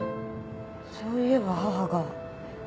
そういえば母が。